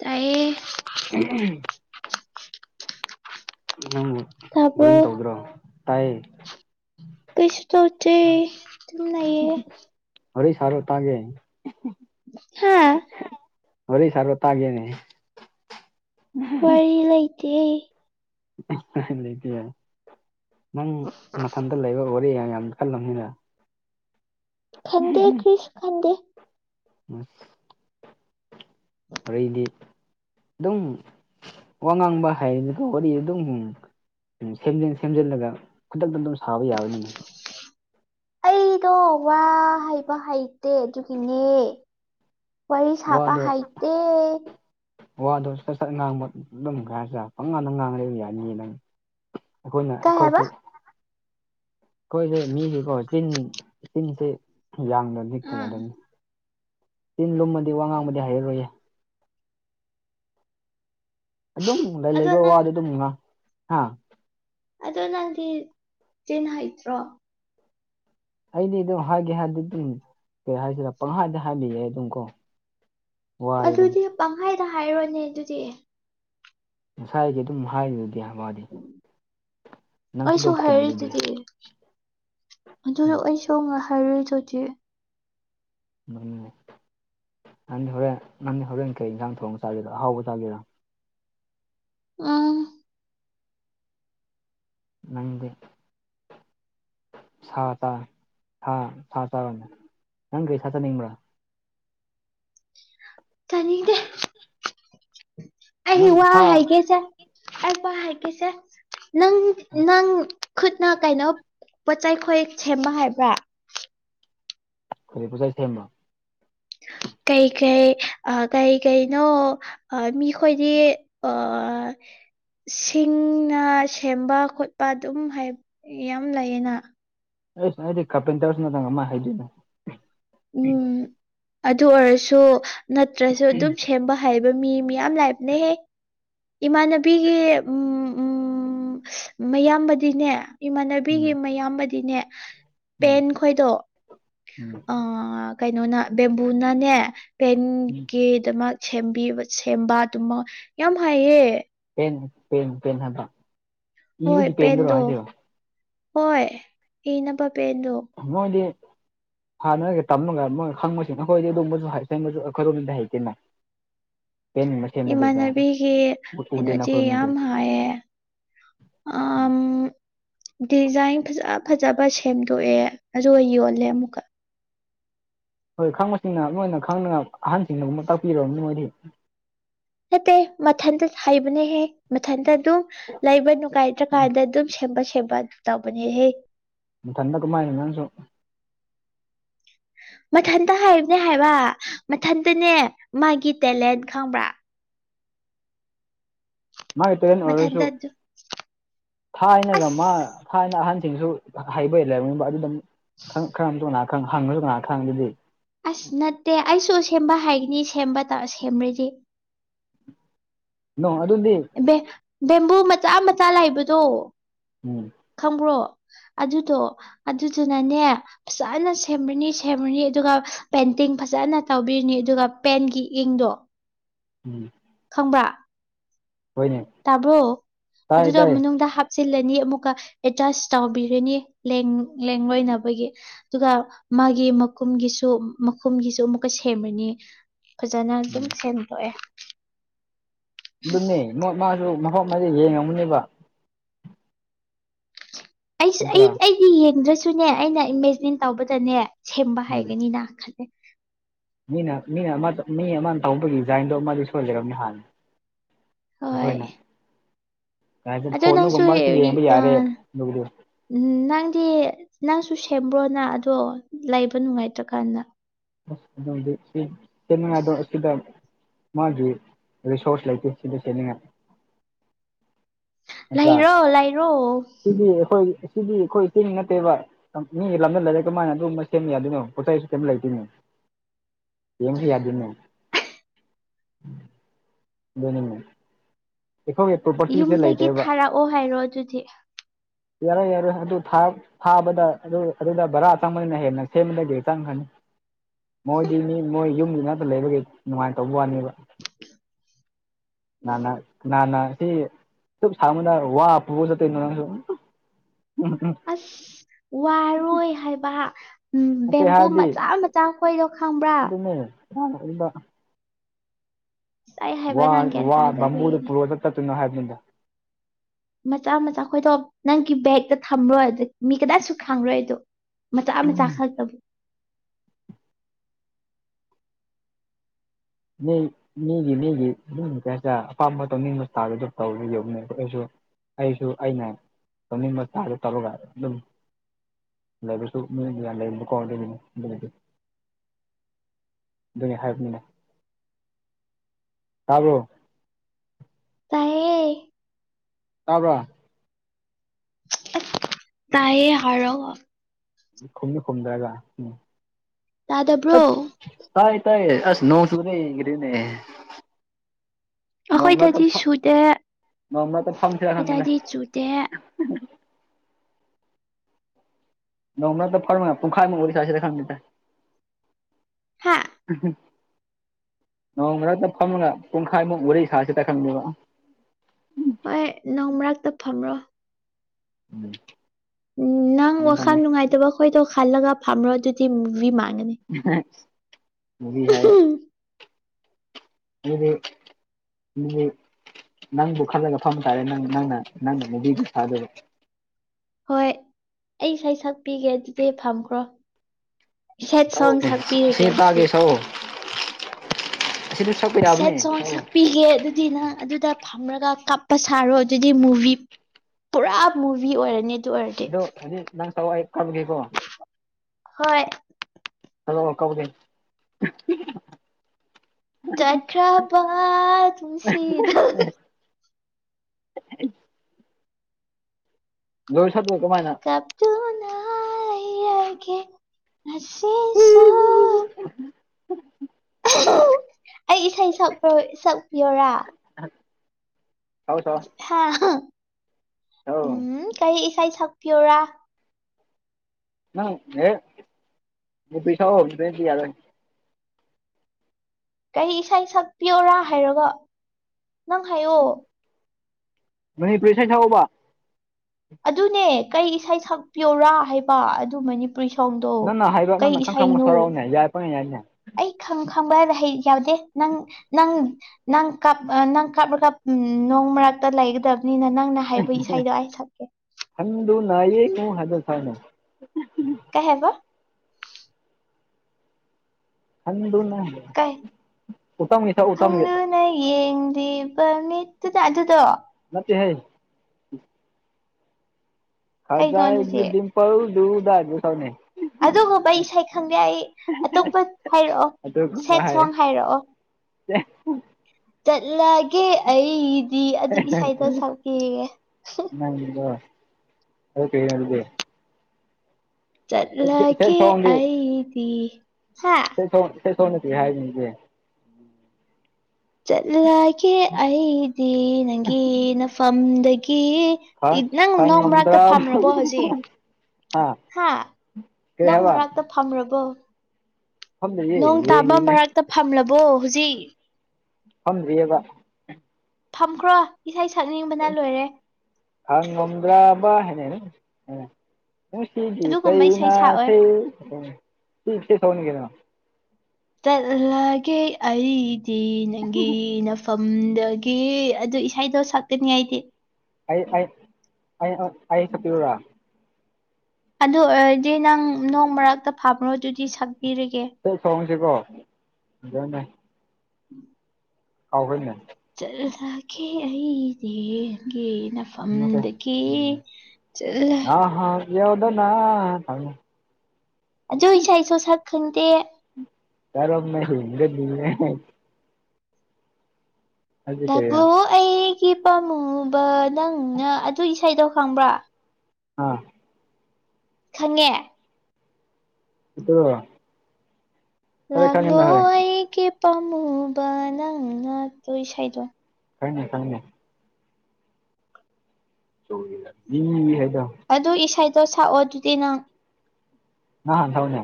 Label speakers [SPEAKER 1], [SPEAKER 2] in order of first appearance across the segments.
[SPEAKER 1] ꯇꯥꯏꯌꯦ
[SPEAKER 2] ꯅꯪ
[SPEAKER 1] ꯇꯥꯕ꯭ꯔꯣ
[SPEAKER 2] ꯣꯂꯤꯡ ꯇꯧꯗ꯭ꯔꯣ ꯇꯥꯏꯌꯦ
[SPEAKER 1] ꯀꯩꯁ ꯇꯣꯆꯦ ꯅꯌꯦ
[SPEAKER 2] ꯍꯧꯔ ꯁꯔꯣ ꯇꯥꯒꯦ
[SPEAKER 1] ꯍꯥꯥ
[SPEAKER 2] ꯍ ꯁꯔꯕ ꯇꯒꯦꯅꯦ
[SPEAKER 1] ꯋꯥꯔꯤ ꯂꯩꯇ
[SPEAKER 2] ꯂꯩꯇꯦ ꯅꯪ ꯃꯊꯟꯇ ꯂꯩꯕ ꯑꯣꯏꯔꯦ ꯌꯥꯝ ꯈꯜꯂꯝꯕꯅꯤꯅ
[SPEAKER 1] ꯈꯗꯦ ꯀ꯭ꯔꯤꯁ ꯈꯗꯦ
[SPEAKER 2] ꯃꯁ ꯍꯣꯔꯦꯟꯗꯤ ꯑꯗꯨꯝ ꯋꯥ ꯉꯥꯡꯕ ꯍꯩꯔꯗꯤꯀꯣ ꯋꯥꯔꯤ ꯑꯗꯨꯝ ꯎꯝ ꯁꯦꯝꯖꯤꯟ ꯁꯦꯝꯖꯤꯜꯂꯒ ꯈꯨꯇꯛꯇ ꯑꯗꯨꯝ ꯁꯥꯕ ꯌꯥꯔꯣꯏꯅꯤꯅꯦ
[SPEAKER 1] ꯑꯩꯗꯣ ꯋꯥ ꯍꯥꯏꯕ ꯍꯩꯇꯦ ꯑꯗꯨꯒꯤꯅꯦ ꯋꯥꯔꯤꯔꯤ ꯁꯥꯕ
[SPEAKER 2] ꯋꯥꯗꯣ
[SPEAKER 1] ꯍꯥꯏꯥꯏꯠꯇꯦ
[SPEAKER 2] ꯋꯥꯗꯣ ꯁꯠ ꯁꯠ ꯉꯥꯡꯕ ꯑꯗꯨꯝꯥꯏꯔꯁ ꯐꯪꯉꯥꯟꯗ ꯉꯥꯡ ꯂꯩ ꯌꯥꯅꯤꯌꯦ ꯅꯪ ꯑꯩꯈꯣꯏꯅ
[SPEAKER 1] ꯀꯩ ꯍꯥꯏꯕ
[SPEAKER 2] ꯑꯩꯈꯣꯏꯁꯦ ꯑꯩꯈꯣꯏꯁꯦ ꯃꯤꯁꯤꯀꯣ ꯆꯤꯟ ꯆꯤꯟꯁꯤꯦ ꯌꯥꯡꯅ ꯂꯤꯛꯄꯩ
[SPEAKER 1] ꯑꯥ
[SPEAKER 2] ꯑꯗꯨꯝꯅꯤ ꯇꯤꯟ ꯂꯨꯝꯃꯗꯤ ꯋꯥ ꯉꯥꯡꯃꯗꯤ ꯍꯥꯏꯔꯣꯏꯏꯦ ꯑꯗꯨꯝ
[SPEAKER 1] ꯑꯗꯣ
[SPEAKER 2] ꯂꯩꯕ
[SPEAKER 1] ꯅꯪ
[SPEAKER 2] ꯋꯥꯗꯤ ꯑꯗꯨꯝ ꯏꯃ ꯍꯥ
[SPEAKER 1] ꯑꯗ ꯅꯪꯗꯤ ꯆꯦ ꯍꯩꯇ꯭ꯔꯣ
[SPEAKER 2] ꯑꯩꯗꯤ ꯑꯗꯨ ꯍꯥꯏꯒꯦ ꯍꯥꯏꯕꯗꯤ ꯀꯩ ꯍꯥꯏꯁꯤꯔꯥ ꯄꯪꯍꯥꯏꯗ ꯍꯥꯏꯕꯤꯌꯦ ꯑꯗꯨꯝ ꯀꯣ ꯋꯥꯗꯤ ꯑꯗꯨꯝ
[SPEAKER 1] ꯑꯗꯨꯗꯤ ꯄꯪꯍꯥꯏꯗ ꯍꯥꯏꯔꯣꯅꯦ ꯑꯗꯨꯗꯤ
[SPEAKER 2] ꯉꯁꯥꯏꯒꯤ ꯑꯗꯨꯝ ꯍꯥꯏꯔꯤꯗꯨꯗꯤꯕꯥꯗꯤ
[SPEAKER 1] ꯑꯩꯁꯨ
[SPEAKER 2] ꯈꯨꯝꯃꯤꯗꯨꯗꯤ
[SPEAKER 1] ꯍꯥꯏꯔꯗꯨꯗꯤ ꯑꯗꯨ
[SPEAKER 2] ꯎꯝ
[SPEAKER 1] ꯑꯩꯁꯨ ꯍꯥꯏꯔꯏꯗꯨꯗꯤ
[SPEAKER 2] ꯅꯪ ꯅꯪꯗꯤ ꯍꯣꯔꯦꯟ ꯅꯪꯗꯤ ꯍꯣꯔꯦꯟ ꯀꯩ ꯏꯟꯖꯥꯡ ꯊꯣꯡꯕ ꯆꯥꯒꯦꯔꯣ ꯑꯍꯥꯎꯕ ꯆꯥꯒꯦꯔꯣ
[SPEAKER 1] ꯎꯝ
[SPEAKER 2] ꯅꯪꯗꯤ ꯁꯥ ꯁꯥ ꯇꯥꯔꯅꯦ ꯅꯪ ꯀꯔꯤ ꯁꯥꯖꯅꯤꯡꯕ꯭ꯔꯥ
[SPEAKER 1] ꯇꯅꯤꯡꯗꯦ ꯑꯩ
[SPEAKER 2] ꯅꯪ
[SPEAKER 1] ꯋꯥ
[SPEAKER 2] ꯁꯥ
[SPEAKER 1] ꯍꯥꯏꯒꯦꯁꯦ ꯑꯩꯕ ꯍꯥꯏ ꯀꯁꯦ ꯅꯪ ꯅꯪ ꯈꯨꯠꯅ ꯀꯩꯅꯣ ꯄꯣꯠ ꯆꯩ ꯈꯣꯏ ꯁꯦꯝꯕ ꯍꯥꯏꯕ꯭ꯔꯥ
[SPEAKER 2] ꯀꯔꯤ ꯄꯨꯁꯥ [unintelligible] ꯊꯦꯝꯕ
[SPEAKER 1] ꯀꯩ ꯀꯩ ꯑ ꯀꯩ ꯀꯩꯩꯅꯣ ꯑ ꯃꯤꯈꯣꯏꯗꯤ ꯑ ꯁꯤꯡꯅ ꯁꯦꯝꯕ ꯈꯣꯠꯄ ꯑꯗꯨꯝ ꯌꯥꯝ ꯂꯩꯌꯦꯅ
[SPEAKER 2] ꯑ ꯑꯩꯗꯤ ꯈꯄꯦꯟ ꯇꯧꯔꯁ ꯅ ꯇꯪ ꯑꯃꯃ ꯍꯥꯏꯗꯤꯗ [unintelligible]
[SPEAKER 1] ꯎꯝ ꯑꯗꯨ ꯑꯣꯏꯔꯁꯨ ꯅꯠꯇ꯭ꯔꯁꯨ ꯑꯗꯨꯝ ꯁꯦꯝꯕ ꯍꯥꯏ ꯃꯤ ꯃꯤ ꯌꯥꯝ ꯂꯥꯏꯕꯅꯦꯍꯦꯛ ꯏꯃꯥꯟꯅꯕꯤꯒꯤ ꯎꯝ ꯎꯝ ꯃꯌꯥꯝꯕꯗꯤꯅꯦ
[SPEAKER 2] ꯎꯝ
[SPEAKER 1] ꯏꯃꯥꯟꯅꯕꯤꯒꯤ ꯃꯌꯥꯝꯕꯗꯤꯅꯦ
[SPEAKER 2] ꯎꯝ
[SPEAKER 1] ꯄꯦꯟ ꯈꯣꯏꯗꯣ
[SPEAKER 2] ꯎꯝ
[SPEAKER 1] ꯑ ꯀꯩꯅꯣꯅ ꯕꯦꯝꯕꯨꯅꯅꯦ
[SPEAKER 2] ꯎꯝ
[SPEAKER 1] ꯄꯦꯟꯒꯤ ꯆꯃꯛ ꯁꯦꯝꯕꯤꯕ ꯁꯦꯝꯕ ꯑꯗꯨꯃꯛ ꯌꯥꯝ ꯍꯩꯌꯦ
[SPEAKER 2] ꯄꯦꯟ ꯄꯦꯟ ꯄꯦꯟ ꯍꯥꯏꯕ
[SPEAKER 1] ꯍꯣꯏ
[SPEAKER 2] ꯏꯕꯒꯤ ꯄꯦꯟꯗꯨꯔꯣ
[SPEAKER 1] ꯄꯦꯟꯗꯣ
[SPEAKER 2] ꯍꯥꯏꯁꯤꯔꯣ
[SPEAKER 1] ꯍꯣꯏ ꯍꯅꯕ ꯄꯦꯟꯗꯣ
[SPEAKER 2] ꯃꯣꯏꯗꯤ ꯍꯥꯟꯅꯥꯒ ꯇꯝꯃꯒ ꯃꯣꯏ ꯈꯪꯕꯁꯤ ꯅꯈꯣꯏꯗꯤ ꯑꯗꯨꯒꯨꯝꯕꯁꯨ ꯍꯩꯇꯦ ꯅꯣꯏꯖꯨ ꯑꯩꯈꯣꯏꯔꯣꯝꯗꯗꯤ ꯍꯩꯇꯦꯅ ꯄꯦꯟꯒꯨꯝꯕ ꯁꯦꯝꯕꯗꯨꯗ
[SPEAKER 1] ꯏꯃꯥꯟꯅꯕꯤꯒꯤ ꯀꯩꯅꯣꯖꯤ ꯌꯥꯝ ꯍꯥꯏꯌꯦ
[SPEAKER 2] ꯎꯝ
[SPEAKER 1] ꯑꯝ ꯗꯤꯖꯥꯏꯟ ꯐꯖ ꯐꯖꯕ ꯁꯦꯝꯗꯣꯛꯑꯦ ꯑꯗꯨꯒ ꯌꯣꯜꯂꯦ ꯑꯃꯨꯛꯀ
[SPEAKER 2] ꯍꯣꯏ ꯈꯪꯕꯁꯤꯡꯅ ꯂꯣꯏꯅ ꯈꯪꯗꯅ ꯑꯍꯟꯁꯤꯡꯅꯒꯨꯝꯕ ꯇꯥꯛꯄꯤꯔꯔꯕꯅꯤ ꯃꯣꯏꯗꯤ
[SPEAKER 1] ꯅꯠꯇꯦ ꯃꯊꯟꯇ ꯍꯥꯏꯕꯅꯦꯍꯦ ꯃꯊꯟꯇ ꯑꯗꯨꯝ ꯂꯩꯕ ꯅꯨꯡꯉꯥꯏꯇ꯭ꯔꯀꯥꯟꯗ ꯑꯗꯨꯝ ꯁꯦꯝꯕ ꯁꯦꯝꯕ ꯇꯧꯕꯅꯦꯍꯦ
[SPEAKER 2] ꯃꯊꯟꯗ ꯀꯃꯥꯏꯅꯥ ꯅꯪꯁꯨ
[SPEAKER 1] ꯃꯊꯟꯇ ꯍꯥꯏꯕꯅꯦ ꯍꯥꯏꯕ ꯃꯊꯟꯇꯅꯦ ꯃꯥꯒꯤ ꯇꯦꯂꯦꯟ ꯈꯪꯕ꯭ꯔꯥ
[SPEAKER 2] ꯃꯥꯒꯤ ꯇꯦꯟ ꯑꯣꯏꯔꯁꯨ
[SPEAKER 1] ꯃꯊꯟꯇ ꯑꯗꯨ
[SPEAKER 2] ꯊꯥꯏꯅꯒ
[SPEAKER 1] ꯑꯁ
[SPEAKER 2] ꯃꯥ ꯊꯥꯏꯅ ꯑꯍꯟꯁꯤꯡꯁꯨ ꯍꯩꯕꯩ ꯂꯩꯔꯝꯅꯤꯡꯕ ꯑꯗꯨꯗꯪ ꯈꯔꯝ ꯀꯅꯥ ꯈ ꯍꯪꯉꯁꯨ ꯀꯅꯥ ꯈꯪ ꯑꯗꯨꯗꯤ
[SPEAKER 1] ꯑꯁ ꯅꯠꯇꯦ ꯑꯩꯁꯨ ꯁꯦꯝꯕ ꯍꯥꯏꯒꯅꯤ ꯁꯦꯝꯕ ꯁꯦꯝ꯭ꯔꯗꯤ
[SPEAKER 2] ꯅꯣ ꯑꯗꯨꯗꯤ
[SPEAKER 1] ꯕꯦꯝꯕꯨ ꯃꯆꯥ ꯃꯆꯥ ꯂꯩꯕꯗꯣ
[SPEAKER 2] ꯎꯝ
[SPEAKER 1] ꯈꯪꯕ꯭ꯔꯣ ꯑꯗꯨꯗꯣ ꯑꯗꯨꯗꯨꯅꯅꯦ ꯐꯖꯅ ꯁꯦꯝꯃꯅꯤ ꯁꯦꯝꯃꯅꯤ ꯑꯗꯨꯒ ꯄꯦꯟꯇꯤꯡ ꯐꯖꯅ ꯇꯧꯕꯤꯔꯅꯤ ꯑꯗꯨꯒ ꯄꯦꯟꯒꯤ ꯏꯪꯗꯣ
[SPEAKER 2] ꯎꯝ
[SPEAKER 1] ꯈꯪꯕ
[SPEAKER 2] ꯍꯣꯏꯅꯦ
[SPEAKER 1] ꯇꯥꯕ꯭ꯔꯣ
[SPEAKER 2] ꯇꯥꯏ
[SPEAKER 1] ꯑꯗꯨꯗꯣ
[SPEAKER 2] ꯇꯥꯏ
[SPEAKER 1] ꯃꯅꯨꯡꯗ ꯍꯥꯞꯆꯤꯜꯂꯅꯤ ꯑꯃꯨꯛꯀ ꯑꯦꯗꯖꯥꯁ ꯇꯧꯕꯤꯔꯅꯤ ꯂꯦꯡꯡꯂꯣꯏꯅꯕꯒꯤ ꯑꯗꯨꯒ ꯃꯥꯒꯤ ꯃꯈꯨꯝꯒꯤꯁꯨ ꯃꯈꯨꯝꯒꯤꯁꯨ ꯑꯃꯨꯛꯀ ꯁꯦꯝꯃꯅꯤ ꯐꯖꯅ ꯑꯗꯨꯝ
[SPEAKER 2] ꯎꯝ
[SPEAKER 1] ꯁꯦꯝꯦꯡꯗꯣꯛꯑꯦ
[SPEAKER 2] ꯑꯗꯨꯅꯤ ꯃ ꯃꯥꯁꯨ ꯃꯐꯝ ꯍꯥꯏꯗ ꯌꯦꯡꯉꯝꯒꯨꯅꯦꯕ
[SPEAKER 1] ꯑꯩꯁꯨ ꯑꯩ
[SPEAKER 2] ꯅꯠꯇ꯭ꯔꯥ
[SPEAKER 1] ꯑꯩꯗꯤ ꯌꯦꯡꯗ꯭ꯔꯁꯨꯅꯦ ꯑꯩꯅ ꯏꯃꯦꯖꯤꯟ ꯇꯧꯕꯗꯅꯦ ꯁꯦꯝꯕ
[SPEAKER 2] ꯎꯝ
[SPEAKER 1] ꯍꯥꯏꯒꯅꯤꯅ ꯈꯜ
[SPEAKER 2] ꯃꯤꯅ ꯃꯤꯅ ꯑꯃ ꯃꯤ ꯑꯃꯅ ꯇꯧꯕꯒꯤ ꯗꯤꯖꯥꯏꯟꯗꯣ ꯑꯃꯗꯤꯗꯨ ꯁꯣꯏꯖꯔꯕꯅꯤ ꯍꯥꯟꯅ
[SPEAKER 1] ꯍꯣꯏ
[SPEAKER 2] ꯈꯣꯏꯅ ꯀ
[SPEAKER 1] ꯑꯗꯣ ꯅꯪꯁꯨ
[SPEAKER 2] ꯐꯣꯟꯗꯨꯒꯨꯝꯕꯁꯨ
[SPEAKER 1] ꯑ
[SPEAKER 2] ꯌꯦꯡꯕ ꯌꯥꯔꯦ ꯑꯗꯨꯗꯤ
[SPEAKER 1] ꯎꯝ ꯅꯪꯗꯤ ꯅꯪꯁꯨ ꯁꯦꯝꯕ꯭ꯔꯣꯅ ꯑꯗꯣ ꯂꯩꯕ ꯅꯨꯡꯉꯥꯏꯇ꯭ꯔꯀꯥꯟꯗ
[SPEAKER 2] ꯑꯗꯨꯗꯤ ꯆꯟꯅꯗ ꯁꯤꯗ ꯃꯥꯒꯤ ꯔꯤꯁꯣꯔꯁ ꯂꯩꯇꯦ ꯁꯤꯗ ꯆꯦꯟꯅꯤꯉꯥꯏ ꯅꯠꯇ꯭ꯔꯥ
[SPEAKER 1] ꯂꯩꯥꯏꯔꯣ ꯂꯥꯏꯔꯣ
[SPEAKER 2] ꯁꯤꯗꯤ ꯑꯩꯈꯣꯏ ꯁꯤꯗꯤ ꯑꯩꯈꯣꯏ ꯆꯤꯡ ꯅꯠꯇꯦꯕꯚ ꯃꯤ ꯂꯝꯗ ꯂꯩꯔꯒ ꯃꯥꯅ ꯑꯗꯨꯒꯨꯝꯕ ꯁꯦꯝꯕ ꯌꯥꯗꯣꯏꯅꯣ ꯄꯣꯠ ꯆꯩꯁꯨ ꯀꯩꯝ ꯂꯩꯗꯣꯏꯅꯦ ꯌꯦꯡꯉꯨꯁꯤ ꯌꯥꯗꯦꯅꯦ ꯎꯝ ꯅꯤ ꯃ ꯑꯩꯈꯣꯏ ꯄ꯭ꯔꯣꯄꯔꯇꯤꯖꯦ
[SPEAKER 1] ꯌꯨꯝꯗꯒꯤ
[SPEAKER 2] ꯂꯩꯇꯦꯕ [inaudible]
[SPEAKER 1] ꯊꯥꯔꯛꯑꯣ ꯍꯥꯏꯔꯣ ꯑꯗꯨꯗꯤ
[SPEAKER 2] ꯌꯥꯔꯣꯏ ꯌꯥꯔꯣꯏ ꯑꯗꯨ ꯊꯥ ꯊꯥꯕꯗ ꯑꯗꯨ ꯑꯗꯨꯗ ꯕꯔꯥ ꯆꯪꯕꯅꯤꯅ ꯍꯦꯟꯅ ꯁꯦꯝꯕꯗꯒꯤ ꯆꯪꯈ꯭ꯔꯅꯤ ꯃꯣꯏꯗꯤ ꯃꯤ ꯃꯣꯏ ꯌꯨꯝꯗꯨ ꯅꯠꯇ ꯂꯩꯕꯒꯤ ꯅꯨꯡꯉꯥꯏꯅ ꯇꯧꯕ ꯋꯥꯅꯦꯕ [inaudible] ꯃꯥꯅꯛ ꯍꯥꯟꯅ ꯇꯤ ꯁꯨꯞ ꯁꯥꯡꯕꯅ ꯋꯥ ꯄꯨꯔꯥ ꯆꯠꯇꯣꯏꯅꯣ ꯅꯪ ꯁꯨ ꯍꯨ-ꯍꯨ
[SPEAKER 1] ꯑꯁ ꯋꯥꯔꯣꯏ ꯍꯥꯏꯕ ꯎꯝ
[SPEAKER 2] ꯅꯠꯇꯦ
[SPEAKER 1] ꯕꯦꯝꯕꯨ
[SPEAKER 2] ꯍꯥꯏꯔꯗꯤ
[SPEAKER 1] ꯃꯆꯥ ꯃꯆꯥ ꯈꯣꯏꯗꯣ ꯈꯪꯕ꯭ꯔꯥ
[SPEAKER 2] [unintelligible]
[SPEAKER 1] ꯑꯩ ꯍꯥꯏꯕ
[SPEAKER 2] ꯋꯥ
[SPEAKER 1] ꯅꯪ ꯒ꯭ꯌꯥꯟ
[SPEAKER 2] ꯋꯥ ꯕꯥꯃꯨꯗ
[SPEAKER 1] ꯇꯥꯗꯕꯒꯤꯅꯤ
[SPEAKER 2] ꯄꯨꯔꯛ ꯆ ꯆꯠꯇꯣꯏꯅꯣ ꯍꯥꯏꯕꯅꯤꯗ
[SPEAKER 1] ꯃꯆꯥ ꯃꯆꯥ ꯈꯣꯏꯗꯣ ꯅꯪꯒꯤ ꯕꯦꯛꯇ ꯊꯝꯔꯣꯏ ꯑꯗꯨꯗ ꯃꯤ ꯀꯅꯥꯁꯨ ꯈꯪꯔꯣꯏ ꯑꯗꯨ ꯃꯆꯥ ꯃꯆꯥ ꯈꯛꯇ
[SPEAKER 2] [inaudible] ꯃꯤꯒꯤ ꯃꯤꯒꯤ ꯃꯤ [unintelligible] ꯑꯄꯥꯝꯕ ꯇꯧꯅꯤꯡꯕ [unintelligible] ꯑꯩꯁꯨ ꯑꯩꯁꯨ ꯑꯩꯅ ꯇꯧꯅꯤꯡꯕ [unintelligible] ꯇꯧꯔꯒ ꯑꯗꯨꯝ [unintelligible] ꯑꯗꯨꯒꯤ ꯍꯥꯏꯕꯅꯤꯗ ꯇꯥꯕꯔꯣ
[SPEAKER 1] ꯇꯥꯏꯌꯦ
[SPEAKER 2] ꯇꯥꯕ꯭ꯔꯥ
[SPEAKER 1] ꯇꯥꯏꯌꯦ ꯍꯥꯏꯔꯒ
[SPEAKER 2] ꯈꯨꯝꯗꯤ ꯈꯨꯝꯗꯔꯒ ꯎꯝ
[SPEAKER 1] ꯇꯥꯗꯕ꯭ꯔꯣ
[SPEAKER 2] [unintelligible] ꯇꯥꯏ ꯇꯥꯏ ꯑꯁ ꯅꯣꯡ ꯆꯨꯔꯦ ꯒꯔꯤꯅꯦ
[SPEAKER 1] ꯑꯩꯈꯣꯏꯗꯗꯤ ꯆꯨꯗꯦ
[SPEAKER 2] ꯅꯣꯡ ꯃꯔꯛꯇ ꯐꯝꯁꯤꯔ ꯈꯪꯗꯦꯗ
[SPEAKER 1] ꯑꯩꯈꯣꯏꯗꯗꯤ ꯆꯨꯗꯦ
[SPEAKER 2] ꯅꯣꯡꯂꯛꯇ ꯐꯔꯃꯒ ꯄꯨꯡꯈꯥꯏꯃꯨꯛ ꯋꯥꯔꯤ ꯁꯥꯁꯤꯗ ꯈꯪꯗꯦꯗ
[SPEAKER 1] ꯍꯥ
[SPEAKER 2] ꯅꯣꯡꯃ ꯃꯔꯛꯇ ꯐꯝꯃꯒ ꯄꯨꯡꯈꯥꯏꯃꯨꯛ ꯋꯥꯔꯤ ꯁꯥꯥꯁꯤꯗ ꯈꯪꯗꯦꯕ
[SPEAKER 1] ꯍꯣꯏ ꯅꯣꯡ ꯃꯔꯛꯇ ꯐꯝꯔꯣ
[SPEAKER 2] ꯎꯝ
[SPEAKER 1] ꯎ ꯅꯪ
[SPEAKER 2] ꯐꯪꯉꯤ
[SPEAKER 1] ꯋꯥꯈꯜ
[SPEAKER 2] ꯐꯪꯉꯤ
[SPEAKER 1] ꯅꯨꯡꯉꯥꯏꯇꯕ ꯈꯣꯏꯗꯣ ꯈꯜꯂꯒ ꯐꯝꯔꯣ ꯑꯗꯨꯗꯤ ꯃꯨꯚꯤ ꯃꯥꯟꯒꯅꯤ
[SPEAKER 2] [unintelligible] ꯃꯨꯚꯤ ꯍꯥꯏ ꯑꯗꯨꯗꯤ ꯑꯗꯨꯗꯤ ꯅꯪꯕꯨ ꯈꯜꯂꯒ ꯐꯝ ꯇꯥꯔꯦ ꯅꯪ ꯅꯪꯅ ꯅꯪꯅ ꯃꯨꯕꯤ [unintelligible]
[SPEAKER 1] ꯍꯣꯏ ꯑꯩ ꯏꯁꯩ ꯁꯛꯄꯤꯒꯦ ꯑꯗꯨꯗꯤ ꯐꯝꯈ꯭ꯔꯣ ꯁꯦꯠ ꯁꯣꯡ
[SPEAKER 2] ꯁꯛꯎꯅꯦ ꯁꯤ
[SPEAKER 1] ꯁꯛꯄꯤꯔꯒꯦ ꯑꯗꯨꯗꯤ
[SPEAKER 2] ꯇꯥꯒꯦ ꯁꯛꯑꯣ ꯑꯁꯤꯗ ꯁꯛꯄ
[SPEAKER 1] ꯁꯦꯠ
[SPEAKER 2] ꯌꯥꯕꯅꯦ
[SPEAKER 1] ꯁꯣꯡ ꯁ
[SPEAKER 2] ꯁꯛꯑꯣ
[SPEAKER 1] ꯄꯤꯒꯦ ꯑꯗꯨꯗꯤ ꯅꯪ ꯑꯗꯨꯗ ꯐꯝꯔꯒ ꯀꯥꯞꯄ ꯁꯥꯔꯣ ꯑꯗꯨꯗꯤ ꯃꯨꯚꯤ ꯄꯨꯔꯥ ꯃꯨꯚꯤ ꯑꯣꯏꯔꯅꯤ ꯑꯗꯨ ꯑꯣꯏꯔꯗꯤ
[SPEAKER 2] ꯑꯗꯣ [unintelligible] ꯅꯪ ꯁꯛꯑꯣ ꯑꯩ ꯐꯝꯒꯦꯀꯣ
[SPEAKER 1] ꯍꯣꯏ
[SPEAKER 2] [unintelligible]
[SPEAKER 1] ꯆꯠꯈ꯭ꯔꯕ ꯅꯨꯡꯁꯤꯗ
[SPEAKER 2] [unintelligible] ꯀꯃꯥꯏꯅ
[SPEAKER 1] ꯑꯞꯇꯨꯅꯥ ꯂꯩꯔꯒꯦ ꯉꯁꯤꯁꯨ ꯑꯩ ꯏꯁꯩ ꯁꯛꯄ ꯁꯛꯄꯤꯌꯣꯔꯥ
[SPEAKER 2] [unintelligible]
[SPEAKER 1] ꯍꯥ
[SPEAKER 2] ꯁꯛꯑꯣ
[SPEAKER 1] ꯎꯝ ꯀꯩ ꯏꯁꯩ ꯁꯛꯄꯤꯌꯣꯔꯥ
[SPEAKER 2] ꯅꯪ ꯑꯦ [unintelligible] ꯌꯥꯔꯣꯏ
[SPEAKER 1] ꯀꯩ ꯏꯁꯩ ꯁꯛꯄꯤꯌꯣꯔꯥ ꯍꯥꯏꯔꯒ ꯅꯪ ꯍꯥꯏꯌꯣ
[SPEAKER 2] ꯃꯅꯤꯄꯨꯔꯤ ꯏꯁꯩꯥ ꯁꯛꯑꯣꯕ
[SPEAKER 1] ꯑꯗꯨꯅꯦ ꯀꯩ ꯏꯁꯩ ꯁꯛꯄꯤꯌꯣꯔꯥ ꯍꯥꯏꯕ ꯑꯗꯨ ꯃꯅꯤ ꯔꯤ ꯁꯣꯡꯗꯣ
[SPEAKER 2] ꯅꯪꯅ ꯍꯩꯕ
[SPEAKER 1] ꯀꯩ
[SPEAKER 2] ꯅꯪꯅ ꯈꯪ ꯈꯪꯕ
[SPEAKER 1] ꯏꯁꯩꯅꯣ
[SPEAKER 2] ꯁꯛꯔꯛꯎꯅꯦ ꯌꯥꯏ ꯄꯪꯌꯥ ꯌꯥꯏꯅꯦ
[SPEAKER 1] ꯑꯩ ꯈꯪ ꯈꯪꯕ ꯌꯥꯎꯗꯦ ꯅꯪ ꯅꯪ ꯅꯪ ꯀꯥꯞ ꯅꯪ ꯀꯥꯞꯔꯒ ꯎꯝ ꯅꯣꯡ ꯃꯔꯛꯇ ꯂꯩꯒꯗꯕꯅꯤꯅ ꯅꯪꯅ ꯍꯥꯏꯕ ꯏꯁꯩꯗꯣ ꯑꯩ ꯁꯛꯀꯦ
[SPEAKER 2] ꯍꯟꯗꯨ ꯌꯦꯡꯉꯨ ꯍꯥꯏꯗꯣ ꯁꯛꯎꯅꯦ
[SPEAKER 1] ꯀꯩ ꯍꯥꯏꯕ
[SPEAKER 2] ꯍꯟꯗꯨꯅꯦ
[SPEAKER 1] ꯀꯩ
[SPEAKER 2] ꯎꯇꯝꯒꯤꯁꯛꯎ ꯎꯇꯝꯒꯤ
[SPEAKER 1] ꯅ ꯌꯦꯡꯂꯤꯕ ꯃꯤꯠꯇꯨꯗ ꯑꯗꯨꯗꯣ
[SPEAKER 2] ꯅꯠꯇꯦ ꯍꯦ
[SPEAKER 1] ꯀꯩꯅꯣ
[SPEAKER 2] ꯈꯥꯖꯥꯏꯒꯤ
[SPEAKER 1] ꯑꯗꯨꯗꯤ
[SPEAKER 2] ꯗꯤꯝꯄꯜꯗꯨꯗ [unintelligible]
[SPEAKER 1] ꯑꯗꯨꯒꯨꯝꯕ ꯏꯁꯩ ꯈꯪꯗꯦ ꯑꯩ ꯑꯇꯣꯞꯄ ꯍꯥꯏꯔꯛꯑꯣ
[SPEAKER 2] ꯑꯗꯨꯒꯨꯝꯕ
[SPEAKER 1] ꯁꯦꯠ
[SPEAKER 2] ꯍꯩ
[SPEAKER 1] ꯁꯣꯡ ꯍꯥꯏꯔꯛꯑꯣ
[SPEAKER 2] [unintelligible]
[SPEAKER 1] ꯆꯠꯂꯒꯦ ꯑꯩꯗꯤ ꯑꯗꯨ ꯏꯁꯥꯗꯣ ꯁꯛꯄꯤꯒꯦ
[SPEAKER 2] ꯅꯪꯒꯤꯗꯣ ꯑ ꯀꯩꯔꯣ ꯑꯗꯨꯗꯤ ꯏꯁꯩ
[SPEAKER 1] ꯆꯠꯂꯒꯦ
[SPEAKER 2] ꯁꯣꯟꯗꯤ
[SPEAKER 1] ꯑꯩꯗꯤ ꯍꯥ
[SPEAKER 2] [unintelligible]
[SPEAKER 1] ꯆꯠꯂꯒꯦ ꯑꯩꯗꯤ ꯅꯪꯒꯤ ꯅꯐꯝꯗꯒꯤ
[SPEAKER 2] ꯈꯪ
[SPEAKER 1] ꯅꯪ ꯅꯣꯡ ꯃꯔꯛꯇ
[SPEAKER 2] ꯈꯪꯉꯝꯗ꯭ꯔꯕ
[SPEAKER 1] ꯐꯝꯔꯕꯣ ꯍꯧꯖꯤꯛ ꯍꯥ
[SPEAKER 2] ꯀꯔꯤ
[SPEAKER 1] ꯅꯣꯡ
[SPEAKER 2] ꯍꯥꯏꯕ
[SPEAKER 1] ꯃꯔꯛ ꯇ ꯐꯝꯒ꯭ꯔꯕꯣ
[SPEAKER 2] ꯐꯝꯗ꯭ꯔꯤꯌꯦ
[SPEAKER 1] ꯅꯣꯡ ꯇꯥꯕ
[SPEAKER 2] ꯌꯦꯡꯉꯤꯅꯦ
[SPEAKER 1] ꯃꯔꯛꯇ ꯐꯝꯂꯕꯣ ꯍꯧꯖꯤꯛ
[SPEAKER 2] ꯐꯝꯗ꯭ꯔꯤꯌꯦꯕ
[SPEAKER 1] ꯐꯝꯈ꯭ꯔꯣ ꯏꯁꯩ ꯁꯛꯅꯤꯡꯕꯅ ꯂꯣꯏꯔꯦ
[SPEAKER 2] ꯍꯪ ꯉꯝꯗ꯭ꯔꯕ ꯍꯥꯏꯅꯦ [unintelligible] ꯅꯨꯡꯁꯤꯒꯤ
[SPEAKER 1] ꯑꯗꯨꯒꯨꯝꯕ ꯏꯁꯩ ꯁꯛꯑꯣꯏ
[SPEAKER 2] ꯆꯩꯅꯁꯦ ꯁꯤ ꯁꯦꯠ ꯁꯣꯡꯅꯤ ꯀꯩꯅꯣ
[SPEAKER 1] ꯆꯠꯂꯒꯦ ꯑꯩꯗꯤ ꯅꯪꯒꯤ ꯅ ꯐ ꯎꯝꯗꯒꯤ ꯑꯗꯨ ꯏꯁꯩꯗꯣ ꯁꯛꯀꯅꯤ ꯑꯩꯗꯤ
[SPEAKER 2] ꯑꯩ ꯑꯩ ꯑꯩ ꯑ ꯑꯩ ꯁꯛꯄꯤꯔꯣꯔꯥ
[SPEAKER 1] ꯑꯗꯨ ꯑꯣꯏꯔꯗꯤ ꯅꯪ ꯅꯣꯡ ꯃꯔꯛꯇ ꯐꯥꯕ꯭ꯔꯣ ꯑꯗꯨꯗꯤ ꯁꯛꯄꯤꯔꯒꯦ
[SPEAKER 2] ꯁꯦꯠ ꯁꯣꯡꯖꯦꯀꯣ [unintelligible]
[SPEAKER 1] [unintelligible]
[SPEAKER 2] ꯍꯥꯎꯕ꯭ꯔꯥꯅꯦ
[SPEAKER 1] ꯆꯠꯂꯒꯦ ꯑꯩꯗꯤ ꯅꯡꯒꯤ ꯅ ꯐ
[SPEAKER 2] ꯅꯠꯇꯦ
[SPEAKER 1] ꯐꯝꯗꯒꯤ ꯆ ꯂ
[SPEAKER 2] ꯌꯎꯗꯣꯅ [unintelligible]
[SPEAKER 1] ꯑꯗꯨ ꯏꯁꯩ ꯁꯨ ꯁꯛ ꯈꯪꯗꯦ
[SPEAKER 2] ꯀꯔꯝꯅ ꯍꯤꯡꯒꯅꯤ ꯑꯗꯨ ꯀꯩꯔꯥ
[SPEAKER 1] ꯂꯥꯛꯂꯣ ꯑꯩꯒꯤ ꯄꯥꯝꯃꯨꯕ ꯅꯪꯅ ꯑꯗꯨ ꯏꯁꯩꯗꯣ ꯈꯪꯕ꯭ꯔꯥ
[SPEAKER 2] ꯑꯥ
[SPEAKER 1] ꯈꯪꯉꯦ
[SPEAKER 2] [unintelligible] ꯍꯣꯏ
[SPEAKER 1] ꯂꯥꯛꯂꯣ
[SPEAKER 2] ꯈꯪꯉꯦꯅꯦ ꯍꯣꯏ
[SPEAKER 1] ꯑꯩꯒꯤ ꯄꯥꯝꯃꯨꯕ ꯅꯪꯅꯠꯇꯣ ꯏꯁꯩꯗꯣ
[SPEAKER 2] ꯈꯪꯉꯦ ꯈꯪꯉꯤꯅꯦ ꯃꯤ ꯍꯥꯏꯗꯣ
[SPEAKER 1] ꯑꯗꯨ ꯏꯁꯩꯗꯣ ꯁꯛꯑꯣ ꯑꯗꯨꯗꯤ ꯅꯪ
[SPEAKER 2] ꯉꯥ ꯍꯥꯟꯅ ꯁꯛꯎꯅꯦ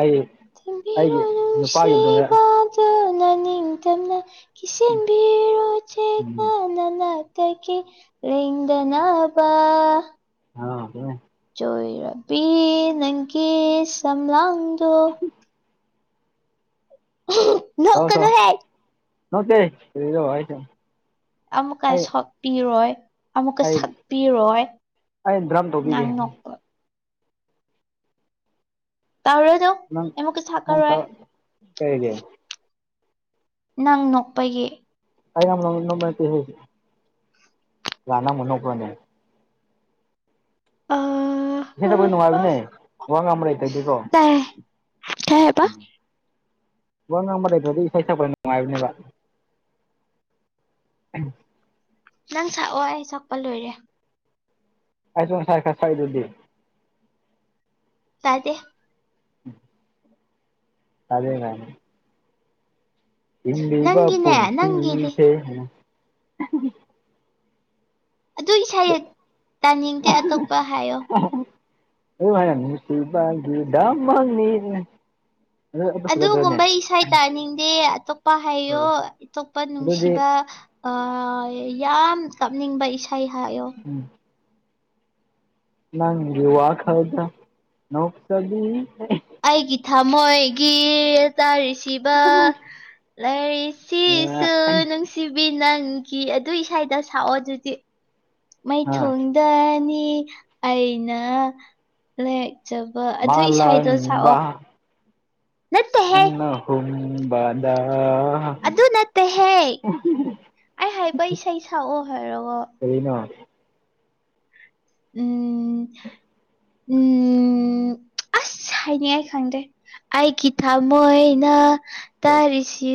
[SPEAKER 2] ꯑꯩ
[SPEAKER 1] ꯊꯦꯝꯕꯤꯔꯣ
[SPEAKER 2] ꯑꯩꯒꯤ ꯅꯨꯄꯥꯒꯤ ꯃꯇꯨꯡꯗ
[SPEAKER 1] ꯅꯨꯡꯁꯤꯕ ꯇ ꯅꯅꯤꯡꯇꯝꯅ ꯀꯤꯁꯦꯝꯕꯤꯔꯣ
[SPEAKER 2] ꯎꯝ
[SPEAKER 1] ꯆꯦꯛꯅ ꯅꯥꯅꯥꯛ ꯇꯒꯤ ꯂꯦꯡꯗꯅꯥꯕ
[SPEAKER 2] ꯍ ꯀꯣ [unintelligible]
[SPEAKER 1] ꯆꯣꯏꯔꯕꯤ ꯅꯪꯒꯤ ꯁꯝꯂꯥꯡꯗꯣ [unintelligible]
[SPEAKER 2] ꯁꯛꯑꯣ ꯁꯛꯑꯣ ꯅꯣꯛꯇꯦ ꯀꯔꯤꯔꯣ ꯑꯩ ꯁꯨꯝ
[SPEAKER 1] ꯑꯃꯨꯛꯀ ꯁꯣꯛꯄꯤꯔꯣꯏ ꯑꯃꯨꯛꯀ
[SPEAKER 2] ꯑꯩ
[SPEAKER 1] ꯁꯛꯄꯤꯔꯣꯏ
[SPEAKER 2] ꯑꯩ ꯗ꯭ꯔꯝ ꯇꯧꯕꯤꯒꯦ
[SPEAKER 1] ꯅꯪ ꯅꯣꯛꯄ ꯇꯧꯔꯗꯨ
[SPEAKER 2] ꯅꯪ ꯅꯪ ꯇ ꯀꯩꯒꯤ
[SPEAKER 1] ꯅꯪ ꯅꯣꯛꯄꯒꯤ
[SPEAKER 2] [unintelligible] ꯅꯣꯛꯄ ꯅꯠꯇꯦꯍꯦ ꯃꯥ ꯅꯪꯕꯨ ꯅꯣꯛꯄ꯭ꯔꯥꯅꯦ
[SPEAKER 1] ꯑꯥ
[SPEAKER 2] ꯏꯁꯩ ꯁꯛꯄꯗ‌ꯣ ꯅꯨꯡꯉꯥꯏꯕꯅꯦ ꯋꯥ ꯉꯕ ꯂꯩꯇꯗꯦꯀꯣ
[SPEAKER 1] ꯇꯥꯏ ꯀꯩ ꯍꯥꯏꯕ
[SPEAKER 2] ꯎꯝ ꯋꯥ ꯉꯕ ꯂꯩꯇꯔꯗꯤ ꯏꯁꯩ ꯁꯛꯄ ꯅꯨꯡꯉꯥꯏꯕꯅꯦꯕ [inaudible]
[SPEAKER 1] ꯅꯪ ꯁꯛꯑꯣ ꯑꯩ ꯁꯛꯄ ꯂꯣꯏꯔꯦ
[SPEAKER 2] ꯑꯩꯁꯨ ꯉꯁꯥꯏ ꯈ ꯁꯛꯏꯗꯨꯗꯤ
[SPEAKER 1] ꯇꯥꯗ‌ꯦ
[SPEAKER 2] [inaudible] [unintelligible] ꯍꯤꯡꯂꯤꯕ
[SPEAKER 1] ꯅꯪꯒꯤꯅꯦ ꯅꯪꯒꯤꯗꯤ
[SPEAKER 2] ꯄꯨꯟꯁꯤꯁꯦ
[SPEAKER 1] ꯇꯨ ꯏꯁꯥ ꯇꯥꯅꯤꯡꯗꯦ ꯑꯇꯣꯞꯄ ꯍꯥꯏꯌꯣ
[SPEAKER 2] [unintelligible] ꯅꯨꯡꯁꯤ ꯕꯒꯤ ꯗꯃꯛꯅꯤ
[SPEAKER 1] ꯑꯗꯨꯒꯨꯝꯕ ꯏꯁꯩ ꯇꯥꯅꯤꯡꯗꯦ ꯑꯇꯣꯞꯄ ꯍꯥꯏꯌꯣ ꯑꯇꯣꯞꯄ
[SPEAKER 2] ꯑꯗꯨꯗꯤ
[SPEAKER 1] ꯅꯨꯡꯁꯤꯕ ꯑ ꯌꯥꯝ ꯀꯞꯅꯤꯡꯕ ꯏꯁꯩ ꯍꯥꯏꯌꯣ
[SPEAKER 2] ꯎꯝ ꯅꯪ ꯒꯤ ꯋꯥ ꯈꯜꯗ ꯅꯣꯛꯆꯕꯤ ꯑꯩ
[SPEAKER 1] ꯑꯩꯒꯤ ꯊꯃꯣꯏꯒꯤ ꯇꯥꯔꯤꯁꯤꯕ ꯂꯥꯏꯔꯤ ꯁꯤꯁꯨ
[SPEAKER 2] ꯑꯥ
[SPEAKER 1] ꯅꯨꯡꯁꯤꯕꯤ ꯅꯪꯒꯤ ꯑꯗꯨ ꯏꯁꯩꯗ‌ꯣ ꯁꯛꯑꯣ ꯑꯗꯨꯗꯤ ꯃꯥꯏꯊꯣꯡꯗꯅꯤ ꯑꯩꯅ ꯂ‌ꯦꯛꯆꯕ ꯑꯗꯨ ꯏꯁꯥꯩꯏꯗꯣ ꯁꯥꯛꯑꯣ
[SPEAKER 2] ꯃꯥꯂꯪꯕ ꯅꯪ ꯅ ꯍꯨꯝꯕꯗ ꯑ
[SPEAKER 1] ꯑꯗꯨ ꯅꯠꯇꯦꯍꯦ ꯑꯩ ꯍꯥꯏꯕ ꯏꯁꯩ ꯁꯛꯑꯣ ꯍꯥꯏꯔꯒ
[SPEAKER 2] ꯀꯔꯤꯅ‌ꯣ
[SPEAKER 1] ꯎꯝ ꯎꯝ ꯑꯁ ꯍꯥꯏꯅꯤꯡꯉꯥꯏ ꯈꯪꯗꯦ ꯑꯩꯒꯤ ꯊꯃꯣꯏꯅ ꯇꯥꯔꯤꯁꯤ